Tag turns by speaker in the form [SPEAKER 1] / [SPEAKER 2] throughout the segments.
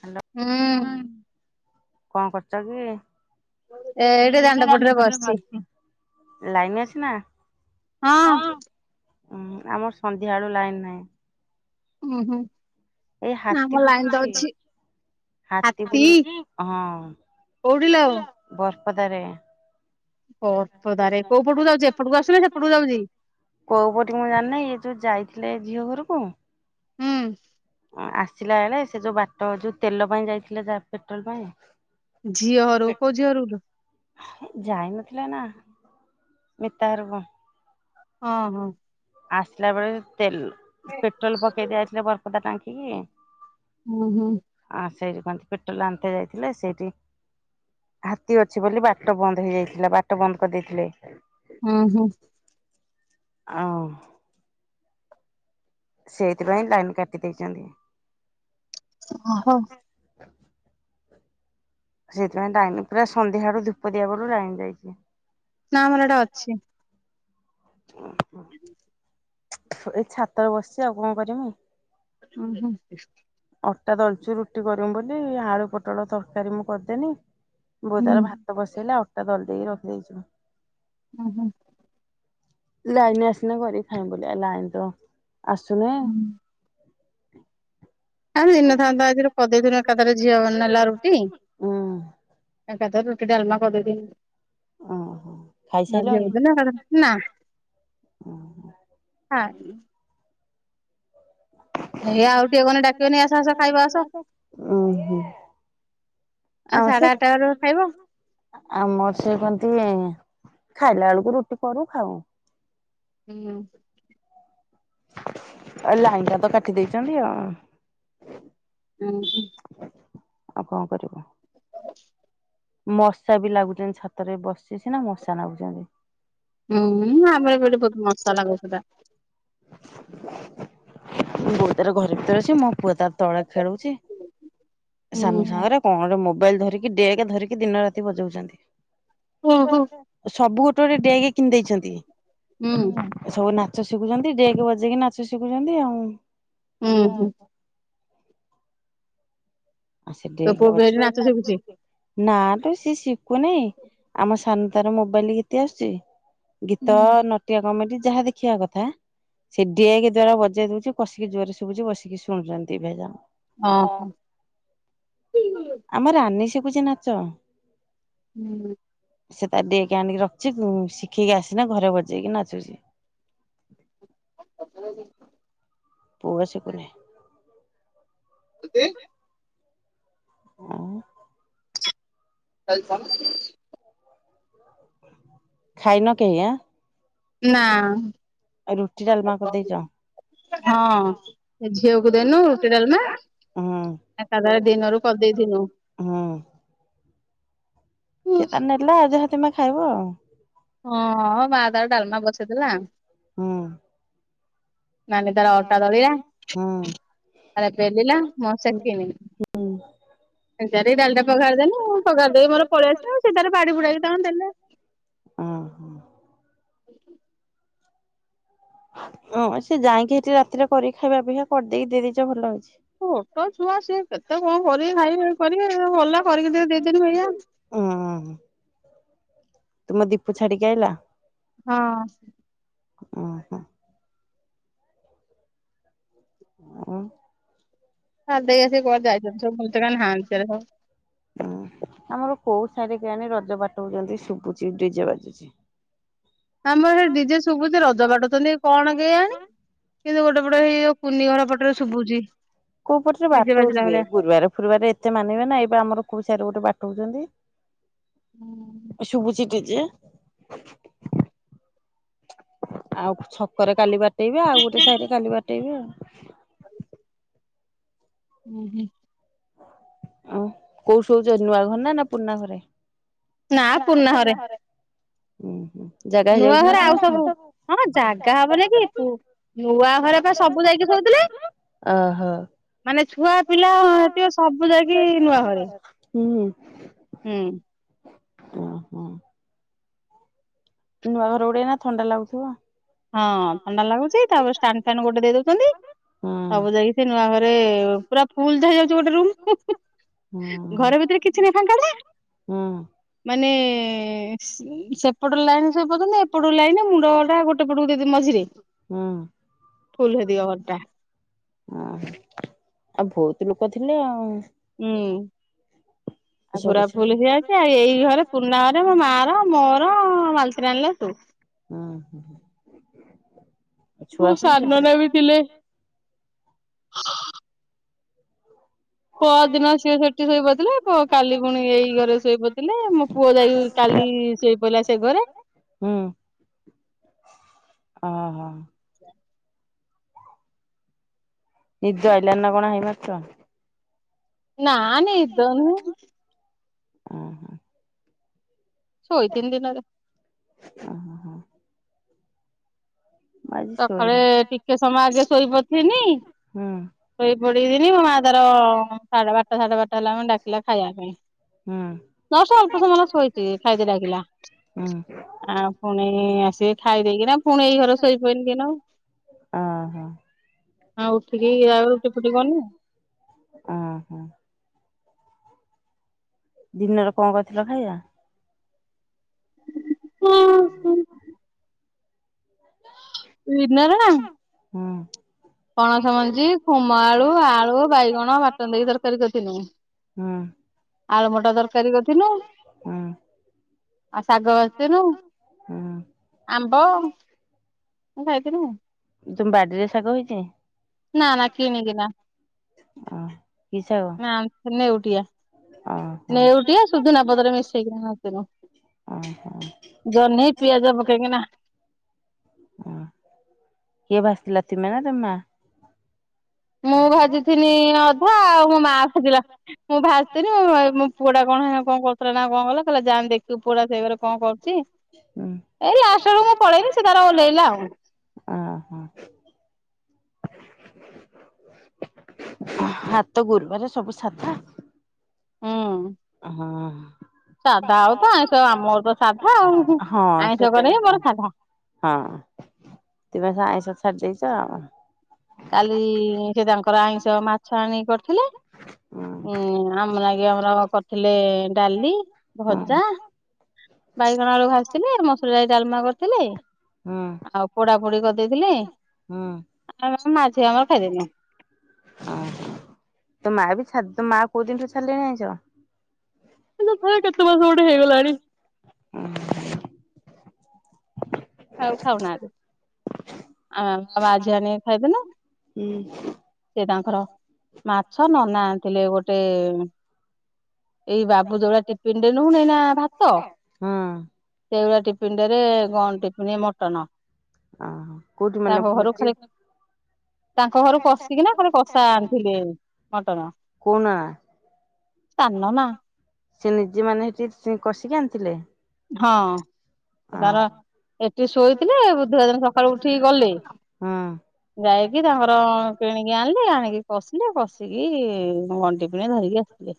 [SPEAKER 1] Hello, ହୁଁ, କଣ କରୁଚ କି? ଲାଇନ୍ ଅଛିନା? ଉଁ, ହୁଁ ଆମର ସନ୍ଧ୍ୟା ବେଳୁ ଲାଇନ୍ ନାହିଁ।
[SPEAKER 2] ଅଁ, ହଁ।
[SPEAKER 1] ଏ ହାତୀ ବୁଲୁଚି, ହାତୀ ବୁଲୁ ହଁ ବ ପଦାରେ। କୋଉ ପଟେ ମୁଁ ଜାଣିନାହିଁ ଇଏ ଯୋଉ ଯାଇଥିଲେ ଝିଅ ଘର କଁ
[SPEAKER 2] ହୁଁ,
[SPEAKER 1] ଆସିଲା ବେଳେ ସେ ଯୋଉ ବାଟ ଯୋଉ ତେଲ ପାଇଁ ଯାଇଥିଲେ ତା ପେଟ୍ରୋଲ୍ ପାଇଁ
[SPEAKER 2] ଝିଅ ଘରକୁ କୋଉ ଝିଅ ଘରକୁ ଲ?
[SPEAKER 1] ଥିଲା ନା ମିତା ଘର ପାଇଁ।
[SPEAKER 2] ଅଁ, ହଁ।
[SPEAKER 1] ଆସିଲା ବେଳେ ତେଲ୍ ପେଟ୍ରୋଲ୍ ପକେଇତେ ଯାଇଥିଲେ ବରପଦା ଟାଙ୍କି [unintelligible]
[SPEAKER 2] ହୁଁ, ହୁଁ।
[SPEAKER 1] ଥାଆନ୍ତି ପେଟ୍ରୋଲ୍ ଆଣିତେ ଯାଇଥିଲେ ସେଇଟି ହାତୀ ଅଛି ବୋଲି ବାଟ ବନ୍ଦ ହେଇଯାଇଥିଲା, ବାଟ ବନ୍ଦ କରିଦେଇଥିଲେ।
[SPEAKER 2] ହଁ, ହଁ।
[SPEAKER 1] ଅଁ, ସେଇଥିପାଇଁ ଲାଇନ୍ କାଟି ଦେଇଚନ୍ତି।
[SPEAKER 2] ଓହୋ।
[SPEAKER 1] ସେଇଥିପାଇଁ ଲାଇନ୍ ପୁରା ସନ୍ଧ୍ୟାରୁ ଧୂପ ଦିଆ ବଳୁ ଲାଇନ୍ ଯାଇଚି।
[SPEAKER 2] ନା ଆମର ଆଡେ ଅଛି। [unintelligible]
[SPEAKER 1] ଏଇ ଛାତରେ ବସିଚି ଆଉ କଣ କରିମି।
[SPEAKER 2] ଅଁ, ହଁ।
[SPEAKER 1] ଅଟା ଦଳଚୁ ରୁଟି କରମି ବୋଲି, ଆଳୁ ପୋଟଳ ତରକାରୀ ମୁଁ କରିଦେନି। ବୋଉ ତାର ଭାତ ବସେଇଲା, ଅଟା ଦଳି ଦେଇକି ରଖ ନେଇଚୁନା
[SPEAKER 2] ହୁଁ ହୁଁ।
[SPEAKER 1] ଲାଇନ ନା ଆସିନା ଘରେ ଥା ବୋଲି ଲାଇନ ତ ଆସୁନ
[SPEAKER 2] ଆଉ ଦିନଥାନ୍ତା ଆଜିର କରିଦେଇଥିଲୁ ଏକାଥରେ ଝିଅ ନେଲା ରୁଟି। ଏକାଥରେ ରୁଟି ଡାଲମା କରିଦେଇଥିଲ [unintelligible] ନା ହଁ।
[SPEAKER 1] ଉହୁଁ ଆସ ଆମର ସେ କଣନ୍ତି ଖାଇଲା ବେଳକୁ ରୁଟି କରୁ ଖାଉ।
[SPEAKER 2] ହୁଁ।
[SPEAKER 1] ଆ ଲାଇନ୍ ଟା ତ କାଟି ଦେଇଛନ୍ତି ଆଉ।
[SPEAKER 2] ହୁଁ ହୁ।
[SPEAKER 1] ଆଉ କଣ କରିବୁ।
[SPEAKER 2] ହ
[SPEAKER 1] ମଶା ବି ଲାଗୁଛନ୍ତି ଛାତରେ ବସି ସିନା ମଶା ନାଗୁଛନ୍ତି।
[SPEAKER 2] ହୁଁ ଆମର ବି ଏଠି ବହୁତ ମଶା ଲାଗୁଛି ବା
[SPEAKER 1] ବୋଉ ତାର ଘରେ ଭିତରେ ଅଛି ମୋ ପୁଅ ତାର ତଳେ ଖେଳୁଛି ସାଙ୍ଗ ସାଙ୍ଗରେ କଣ ଗୋ ମୋ ମୋବାଇଲ ଧରିକି ଡେଗ୍ ଧରିକି ଦିନ ରାତି ବଜାଉଛନ୍ତି। ସବୁ ଗୋ ଗୋଟେ ଡେଇ କିଣି ଦେଇଛନ୍ତି ସବୁ ନାତି [inaudible] ଛନ୍ତି ଡେଗ୍ ବଜେଇକି ନାଚ ଶିଖୁଛନ୍ତି ଆଉ।
[SPEAKER 2] ହୁଁ ହୁଁ।
[SPEAKER 1] ଆ ସେଗ୍ ଡେଗ୍ ବଜେଇ ନାଁ-ଆ-ଆ ତ ଶିଖ ଆମ ସାନ୍ ତାର ମୋବାଇଲ କେତତି ଆସୁଛି? ଗୀତ-ଅ-ଅ ନଟିଆ କମେଡ଼ି ଯାହା ଦେଖିବା କଥା ସେ ଡେଗ୍ ଦ୍ଵାରା ବଜେଇ ଦଉଛି କସିକି ଜୋରରେ ଶୁଭୁଛି ବସିକି ଶୁଣୁଛନ୍ତି ଦି ଭାଇ ଯାକ।
[SPEAKER 2] ଓ ହୋ।
[SPEAKER 1] ଆମର ମାନି ଶିଖୁଛି ନାଚ?
[SPEAKER 2] ହୁଁ।
[SPEAKER 1] ସେ ତା ଡେଗ୍ ଆଣିକି ରଖିଛି ଉ ଶିଖେଇକି ଆସିନା ଘରେ ବଜେଇକି ନାଚୁଛି।
[SPEAKER 2] [inaudible]
[SPEAKER 1] ପୁଅ ସେ କରେ।
[SPEAKER 2] କେତେ
[SPEAKER 1] [unintelligible]
[SPEAKER 2] ସାଇଜି କଣ
[SPEAKER 1] ଖାଇନ କେହି ଆ
[SPEAKER 2] ନା ହଁ ଝିଅକୁ ଦେଇନୁ ରୁଟି ଡାଲମା ଏକାଥରେ ଦିନରୁ କରିଦେଇଥିନୁ।
[SPEAKER 1] ସେତା ନେଲା ଯେହ ତମେ ଖାଇବ ଆଉ
[SPEAKER 2] ହଁ ମା ତାର ଡାଲମା ବସେଇଦେଲା।
[SPEAKER 1] ହଁ।
[SPEAKER 2] ନାନୀ ତାର ଅଟା ଦଳିଲା ତାରେ ବେଲିଲା ମୁ ସେକିନି ଡାଲିଟା ପଘାରି ଦେନି ପଘାରି ଦେଇକି ମର ପଳେଆସିନି ସେ ତାର ବାଡି ବୁଡ଼ାକି ତାଙ୍କର ଦେଲେ।
[SPEAKER 1] ଓ ସେ ଯାଇକି ସେଠି ରାତିରେ କରିକି ଖାଇବା ଅ ପିକ୍ଷା କରିଦେଇକି ଦେଇ ଦେଇେଇଛ ଭଲ ହଉଛି।
[SPEAKER 2] ଛୋଟ ଛୁଆ ସେ ତ କଣ କରି ଖାଇବେ କରିବେ ଗଲା କରିକି ଟିକେ ଦେଇଦେନି ଏୟା।
[SPEAKER 1] ତୁମ ଦୀପୁ ଛାଡିକି ଆଇଲା?
[SPEAKER 2] ହଁ।
[SPEAKER 1] ଉହୁଁ। ଆଉ
[SPEAKER 2] ଛାଡ଼ି ଦେଇକି ଆସି କୁଆଡ଼େ ଯାଇଛନ୍ତିୁ କୋଉଠିତ ନାହାନ୍ତି। ସେରେ ହ
[SPEAKER 1] ହଁ ଆମର କୋଉ ସାଇରେ କେଆଣି ରଜ ବାଟ ହଉଛନ୍ତି ଶୁଭୁଛି ଡିଜେ ବାଜୁଛି।
[SPEAKER 2] ଆମର ସେଠ ଡିଜେ ଶୁଭୁଛିେ ରଜ ବାଟୁଛନ୍ତି କଣ କେଆଣି। କିନ୍ତୁ ଗୋଟେ ପଟେ ହେଇ ଯଉ କୁନି ଘର ପଟରେ ଶୁଭୁଛି।
[SPEAKER 1] କୋଉ ପଟରେ ବାଟ ହ ଥିବେ ଗୁରୁବାର ଫୁରୁବରେ ଏତେ ମାନିବେ ନା ଏବେ ଆମର କୋ ସରେ ଗୋଟେ ବାଟ କହୁଛନ୍ତି ସୁୁଭୁଚି ଜେ ଆଉ ଛକରେ କାଲି ବାଟେଇବେ ଆଉ ଗୋଟେ ସାହିରେ କାଲି ବାଟେଇବେ ଆଉ
[SPEAKER 2] ହୁଁ ହୁଁ।
[SPEAKER 1] ଓ କୋଉ ସ ହଉଛ ନୂଆ ଘର ନା ନା ପୁରୁଣା ଘରେ? ନାଁ ପୂର୍ଣାଘରେ। ହୁଁ ହୁଁ।
[SPEAKER 2] ନୂଆ ଘରେ ଆଉ ସବୁ ହଁ ଜାଗା ହବନ କି ନୂଆ ଘରେ ବା ସବୁ ଯାଇକି ଉଥିଲେ ମାନେ ଛୁଆ ପିଲା ସବୁ ଯାଇକି ନୂଆ ଘରେ। ହୁଁ।
[SPEAKER 1] ଓ ହୋ। ନୂଆ ଘର ବଡ଼ିଆ ଏଇନା ଥଣ୍ଡା ଲାଗୁଥିବ।
[SPEAKER 2] ହଁ ଥଣ୍ଡା ଲାଗୁଛି ତାପରେ ଷ୍ଟାଣ୍ଡରେ ଫୋନ୍ ଗୋଟେ ଦେଇ ଦଉଛନ୍ତି ସବୁ ଯାଇକି ସେ ନୂଆ ଘରେ ପୁରା ଫୁଲ୍ ତ ହେଇଯାଉଚି ଗଟେ ରୁମ୍ ଘର ଭିତରେ କିଛି ନାହିଁ ଫାଙ୍କା ଟା ମାନେ ସବ ଏପଟ ଲାଇନ ସେ ପନ୍ତ ଏପଟ ଲାଇନ ମୁଣ୍ଡଟା ଗୋଟେ। ପଟ ପଟୁଦ ମଝରେ ଫୁ୍ ଦ ର୍ତ
[SPEAKER 1] ଲୋକ ଥିଲେ ଆଉ।
[SPEAKER 2] ହୁଁ
[SPEAKER 1] ସବଛ ହଁ ହ
[SPEAKER 2] ମୋ ସାନଟା ବି ଥିଲେ। [inaudible] ପରଦିନ ସିଏ ସେଠି ଶୋଇ ପଡିଥିଲେ ପ କାଲି ପୁଣି ଏଇ ଘରେ ଶୋଇପଡିଥିଲେ ମୋ ପୁଅ ଯାଇ କାଲି ଶୋଇ ପଡ଼ିଲା ସେ ଘରେ।
[SPEAKER 1] ହଁ ହଁ। ନିଦ ଆଇଲାନି ନ କଣ ହାଇ ମାରୁଚ?
[SPEAKER 2] ନା ନିଦ ନୁହେଁ।
[SPEAKER 1] ଓହୋ।
[SPEAKER 2] ଶୋଇଥିନି ଦିନରେ।
[SPEAKER 1] ଓହୋ।
[SPEAKER 2] ସକାଳେ ଟିକେ ସମୟ ଆଗେ ଶୋଇପଡିଥିନି। ଶୋଇ ପଡି ଦିନି ମୋ ମା ତାର ସାଢେ ବାରଟା ସାଢେ ବାରଟା ହେଲା ମାନେ ଡାକିଲା ଖାଇବା ପାଇଁ ଜଷ୍ଟ ଅଳ୍ପ ସମୟ ଶୋଇଛି ଖାଇତେ ଡାକିଲା ଆ ପୁଣି ଆସିକି ଖାଇ ଦେଇକିନା ପୁଣି ଏଇ ଘରେ ଶୋଇ ନା ଉଠିକି [unintelligible]
[SPEAKER 1] ଦିନରେ କଣ କରିଥିଲ ଖାଇଆ? [inaudible]
[SPEAKER 2] [unintelligible]
[SPEAKER 1] ହଁ
[SPEAKER 2] ପଣସମଞ୍ଜି ଖୁମ ଆଳୁ ଆଳୁ ବାଇଗଣ ବାଟନ ଦେଇକି ତରକାରୀ କରିଥିଲୁ।
[SPEAKER 1] ହଁ।
[SPEAKER 2] ଆଳୁ ବଟା ତରକାରୀ କରିିଥିଲୁ ଆଉ ଶାଗ ଭାଜିଥିଲୁ ଆମ୍ବ ମୁଁ ଖାଇଥିଲି ଆଉ।
[SPEAKER 1] ତମ ବାଡିରେ ଶାଗ ହେଇଚି।
[SPEAKER 2] ନା ନା କିଣିିକିନା। [unintelligible] ଟିଆ ନେଉଟିଆ ସୁଦୁନା ପତରେ ମିଶେଇକିନା ଭାଜିଥିଲୁ ଜହ୍ନି ପିଆଜ ପକେଇକିନା।
[SPEAKER 1] ତିନା ନା ତା ମା
[SPEAKER 2] ମୁଁ ଭାଜିଥିନି ଅଧା ଆଉ ମୋ ମା ଭାଜିଲା ମୁଁ ଭାଜିିଥିନି ମୋ ପୁଅଡା କଣ ହେଁ କଣ କରୁଥିଲା ନା କଣ କଲା କହିଲା ଯାନି ଦେଖିବୁ ପୁଅଡା ସେଇ ଘରେ କଣ କରୁଛି ଏଇ ଲାଷ୍ଟକୁ ମୁଁ ପଳେଇନି ସେ ତାର ଓହ୍ଲେଇଲା ଆଉ
[SPEAKER 1] ହାତ ଗୁରୁବାରେ ସବୁ ସାଧା
[SPEAKER 2] ହଁ।
[SPEAKER 1] ହଁ।
[SPEAKER 2] ସାଧା ଆଉ ତ ଆଇଁଷ ଆମର ତ ସାଧା।
[SPEAKER 1] ହଁ ସେଟା ବି ହଁ ତେବେ ତ ଆଇଁଷ। ଛଡିଦେଇଚ ଆଉ
[SPEAKER 2] କାଲି ସେ ତାଙ୍କର ଆଇଁଷ ମାଛ ଆଣିକି କରିଥିଲେ। ଉଁ ଆମ ଲାଗି ଆମର କରିଥିଲେ ଡାଲି ଭଜା ବାଇଗଣ ଆଉ ଆଳୁ ଭାଜିଥିଲେ ମସୁରରଇ ଡାଲମା କରିଥିଲେ ଆଉ ପୋଡା ପୋଡି କରିଦେଇଥିଲେ ଆ ମା ଝିଅ ଆମର ଖାଇଦେଲୁ।
[SPEAKER 1] ତୋ ମା ବି ଛା ତୋ ମା କୋଉଦିନଠୁ ଛାଡ଼ିଲେଣି ଆଇଁଷ।
[SPEAKER 2] କିନ୍ତୁ ଥରେ କେତେମାସ ଗୋଟେ ହେଇଗଲାଣି। ଆଉ ଖାଉନାହାନ୍ତି ଆ ମା ଝିଅ ଆଣିକି ଖାଇଦେଲେ ସେ ତାଙ୍କର ମାଛ ନନା ଆଣିଥିଲେ ଗୋଟେ ଏଇ ବାବୁ ଯୋଉ ଭଳିଆ ଟିଫିନରେ ନଉ ନେଇ ନା ଭାତ ସେଇ ଭଳିଆ ଟିଫିନ୍ ଟାରେ କଣ ଟି ପୁଣି ମଟନ।
[SPEAKER 1] କୋଉଠି ମାନେ ଭୋଜି।
[SPEAKER 2] ତାଙ୍କ ଘରୁ ପଶିକିନା କେ କଷା ଆଣିଥିଲି ମଟନ।
[SPEAKER 1] କୁଣ
[SPEAKER 2] ତା ନମା
[SPEAKER 1] ସେ ନିଜେ ମାନେ ସେଠି ସେ କଷିକି ଆଣିଥିଲେ।
[SPEAKER 2] ହଁ ସେ ତାର ଏଠି ଶୋଇଥିଲେ ବୁଧ ଦିନ ସକାଳୁ ଉଠିକି ଗଲେ ଯାଇକି ତାଙ୍କର କିଣିକି ଆଣିଲେ ଆଣିକି କଷିଲେ କଷିକି। ମଡିଟିପଣ ଦଇ ଆିବ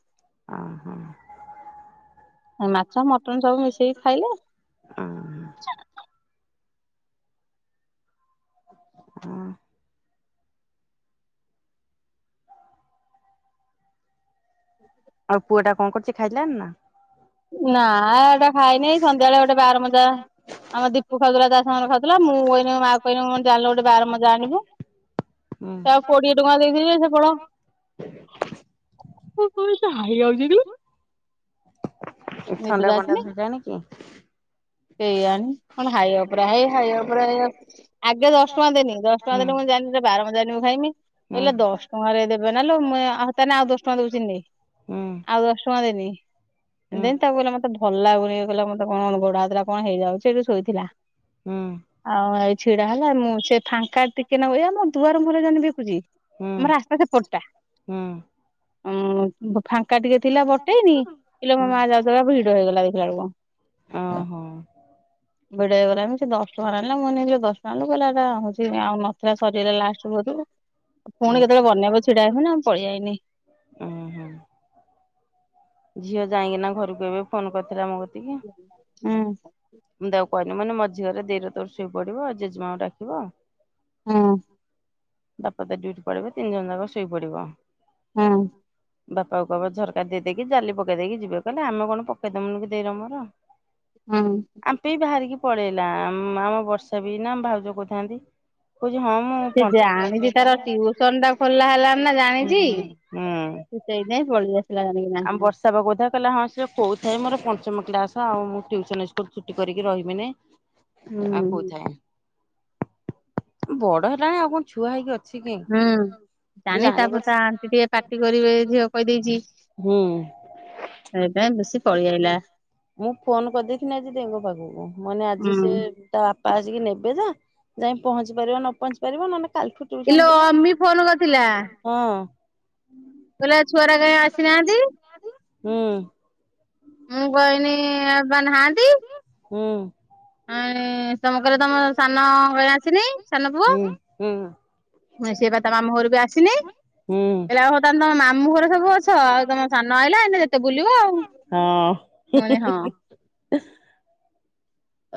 [SPEAKER 2] ମାଛ ମଟନ୍ ସବୁ ମିଶେଇକି ଖାଇଲେ।
[SPEAKER 1] ହ
[SPEAKER 2] ହ
[SPEAKER 1] ଆଉ ପୁଅ ଟା କଣ କରୁଛି ଖାଇଲାନ ନା
[SPEAKER 2] ନା ଏଟା ଖାଇନି ସନ୍ଧ୍ୟାବେଳେ ଗୋଟେ ବାର ମଜା ଆମର ଦୀପୁ ଖାଉଥିଲା ତା ସାଙ୍ଗରେ ଖାଉଥିଲା ମୁଁ କହିଲି ମା କହିଲୁ ଜାଣିଲୁ ଗୋଟେ ବାର ମଜା ଆଣିବୁ ସେ ଆଉ କୋଡିଏ ଟଙ୍କା ଦେଇିବେ ସେପଟ। ହେ ଯାଉଛ ତୁ
[SPEAKER 1] ଏ ଥଣ୍ଡା ବଣ୍ଡା ଧଇଯାଏନ କି?
[SPEAKER 2] ହେଇଆଣି କଣ ଖାଇବା ପରାାଇ ହାଇବା ପରା ଆଗେ ଦଶ ଟଙ୍କା ଦେନି ଦଶ ଟଙ୍କା ଦେଲେ ମୁ ଜାିନ ବାରମାଙ୍କା ଜାିବୁ ଖାଇମି କହିଲେ ଦଶ ଟଙ୍କାରେ ଦେବେ ନ ମୁଁ ତାେଲେ ଆଉ ଦଶ ଟଙ୍କା ଦେଉ ଚିହ୍ନି ଆଉ ଦଶ ଟଙ୍କା ଦେନି ଦେନି ତାକୁ କହିଲେ ମତେ ଭଲ ଲାଗୁନି କହିଲା ମତେ କଣ ଅନୁଗ କଣ ହେଇଯାଉ ସେଇଠୁ ଶୋଇଥିଲା ଆଉ ଏ ଛିଡା ହେଲା ମୁଁ ସେ ଫାଙ୍କା ଟିକେ ନବ ମ ଦୁଆର ଘରେ ଜ ବିକୁଛି ଆମର ଆସପ ସେେ ପଟଟା ଉ ଫାଙ୍କା ଟିକେ ଥିଲା ବଟେନି ପିଲ ମ ମା ଯାଉ ଭିଡ ହେଇଗଲା ଦେଖିଲା ବେଳକୁ ବଡେଇବମ ସେ ଦଶଟା ମ ଆଣିଲା ମନେଇ ଦଶଟ ଲୋକ ଗଲାା ହଉଛି ଆଉ ନଥିଲା ସରିଗଲା ଲାଷ୍ଟ ଭୋରୁ ପୁଣି କେତେବେଳେ ବନ୍ୟାକୁ ଛିଡା ହେଇବନ ଆ ପଳ ଯାଇନି
[SPEAKER 1] ଝିଅ ଯାଇକି ନା ଘରକୁ ଏବେ ଫୋନ କରିଥିଲା ମ
[SPEAKER 2] ହଁ।
[SPEAKER 1] କହନି ମାନେ ମଝିରେ ଦେଇରେ ତୋର ପଡିବ ଜେଜେମା ଡକିବ।
[SPEAKER 2] ହଁ
[SPEAKER 1] ତାପ ଡୁଟି ପଡିବ ତିନି ଜଣ ଯାକ ଶୋଇ ପଡିବ
[SPEAKER 2] ହଁ
[SPEAKER 1] ବାପା କକୁ ଆମ ଝରକା ଦେଇକି ଜାଲି ପକେଇ ଦେଇକି ଯିବେ କହିଲେ ଆମେ କଣ ପକେଇଦମୁ କି ଦେଇ ରମର ଆମପେ ବି ବାହାରିକି ପଳେଇଲା ଆମ ବର୍ଷ ବିନାମ ଭାଉଜ କହୁଥାନ୍ତି । କହୁଚି ହଁ ମୁଁ ପଞ୍ଚମ କ୍ଲାସ ହେଲାଣି ।ଆମ ବର୍ଷା ବା କହୁଥାଏ କଇଲା ହଁ ସେ କୋଉଥାଏ ମୋର ପଞ୍ଚମ । ପଞ୍ଚମ କ୍ଲାସ ଆଉ ମୁଁ ଟିଉସନ ଇସ୍କୁଲ ଛୁଟି କରିକି ରହିବିନି।
[SPEAKER 2] ହୁଁ ।
[SPEAKER 1] କଉଥାଏ । ବଡ ହେଲାଣି ଆଉ କଣ ଛୁଆ ହେଇକି ଅଛି ।
[SPEAKER 2] ହୁଁ ଜାଣିବେ ତାପରେ ତା ଅଣ୍ଟୀ ଟିକେ ପାଟି କରିବେ ଝିଅ କହିଦେଇଛି ସେଇଥି ପାଇଁ ବେଶୀ ।
[SPEAKER 1] ମୁଁ ଫୋନ କରିଦେଇଥିନି ଆଜି ଦେଇଙ୍କ ପାଖକୁ ମାନେ ଆଜି ସେ ତା ବାପା ଆସିକି ନେବେ ଯେ ଯାଇ ପହଞ୍ଚି ପାରିବ ନ ପହଞ୍ଚି ପାରିବ ନହେଲେ । କାଲିୁଠୁ ଟିଉସନ ଯିବ ହଁ ।
[SPEAKER 2] କହିଲ ଛୁଆରା କାଇଁ ଆସିନାହାନ୍ତି ।
[SPEAKER 1] ହୁଁ ।
[SPEAKER 2] ମୁଁ କହନି ଇଏବା ନାଆନ୍ତି ।
[SPEAKER 1] ହୁଁ ।
[SPEAKER 2] ଆ ଏଁ । ତମ କହିଲା ତମ ସାନ କାଇଁ ଆସିନି ସାନ ପୁଅ ମୁଁ କଇଲି ସେ ବା ତ ମାମୁ ଘରୁ ବି ଆସିନି କଇଲା ଓ ହୋ ତାହେଲେ ତମେ ମାମୁଁ ଘର ସବୁ ଅଛ ଆଉ ତମ ସାନ ଆଇଲାନି । ଯେତେ ବୁଲିବ ଆଉ ।
[SPEAKER 1] ହଁ ।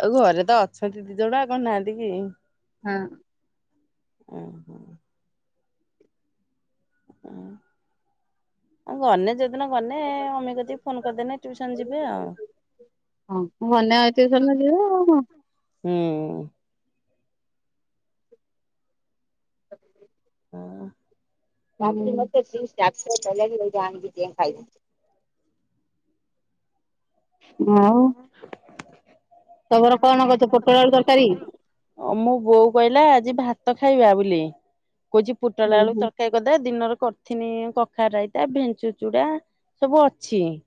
[SPEAKER 1] ଆଉ ଘରେ ତ ଅଛନ୍ତି ଦି ଜଣାଉ ଆଉ କଣ ନାହାନ୍ତି କି ।
[SPEAKER 2] ହଁ ।
[SPEAKER 1] ହଁ ଆଉ ଗନେ ଯଦି । ଗଲେ ଅମି କତି କି ଫୋନ କରିଦେନେ ଟିଉସନ୍ ଯିବେ ଆଉ। ହୁଁ । ହଁ ।
[SPEAKER 2] କାଲି ମତେ ତିନ ଚରିଥର କାଇଲାନି ଏଇଟା ଆଣିକି ଦେ ମୁ ଖାଇବି ।
[SPEAKER 1] ମୋ ବୋଉ କହିଲା ଆଜି ଭାତ ଖାଇବା ବୋଲି । କିଲେ । କହୁଛି ପୁଟଳ ଆଳୁ ତରକାରୀ କରିଦବା ଦିନର । କରିଥିନି କଖାରୁ ରାଇତା ଭେଣ୍ଡ ଚୁଡଚୂଡ଼ା ସବୁ ଅଛି ।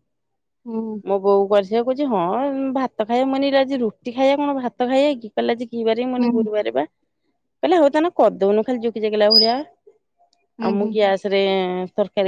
[SPEAKER 2] ହୁଁ ।
[SPEAKER 1] ମୋ ବୋଉ କୁଆରେ ସେଇଆ କହୁଛି ହଁ ଏ ଭାତ ଖାଇବା ମୁକଇନି ଇରେ ଆଜି ରୁଟି ଖାଇବା କଣ ଭାତ ଖାଇବା କି କହିଲା ଆଜି । କିିବାରେ ମୁ କଇନି ଗୁରୁବାର ବା । କାଇଲା ହଉ ତାହେନେ କରିଦଉନୁ ଖାଲି ଝୁକିଝାକିଲା ଭଳିଆ । ଆଉ ମୁ ଗୀଆସ ରେ । ତରକାରୀ।